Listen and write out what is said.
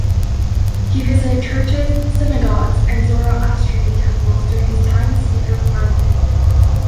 He visited churches, synagogues and Zoroastrian temples during his time as speaker of Parliament.